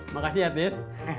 makasih ya tis